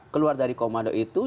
keluar dari komando itu